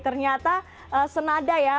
ternyata senada ya